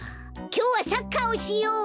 きょうはサッカーをしよう！